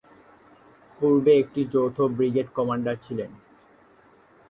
পূর্বে একটি যৌথ ব্রিগেড কমান্ডার ছিলেন।